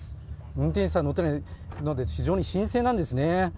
運転手さん乗っていないので非常に新鮮なんですね。